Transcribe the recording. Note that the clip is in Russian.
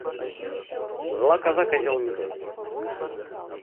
Зла коза, козёл не зол!